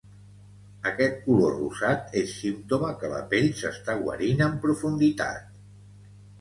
Aquest color rosat és símptoma que la pell s'està guarint en profunditat